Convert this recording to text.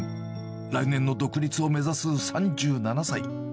来年の独立を目指す３７歳。